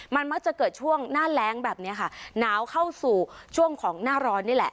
มันมักจะเกิดช่วงหน้าแรงแบบนี้ค่ะหนาวเข้าสู่ช่วงของหน้าร้อนนี่แหละ